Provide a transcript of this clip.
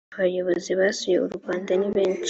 abayobozi basuye u rwanda nibeshi.